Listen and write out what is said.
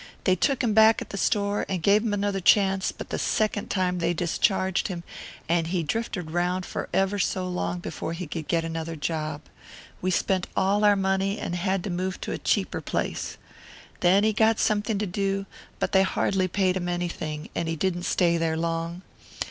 They took him back at the store, and gave him another chance; but the second time they discharged him, and he drifted round for ever so long before he could get another job. We spent all our money and had to move to a cheaper place. Then he got something to do, but they hardly paid him anything, and he didn't stay there long.